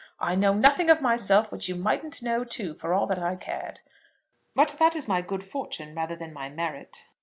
I know nothing of myself which you mightn't know too for all that I cared. But that is my good fortune rather than my merit.